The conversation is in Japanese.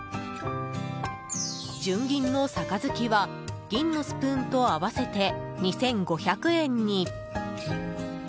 純銀の杯は、銀のスプーンと合わせて２５００円に。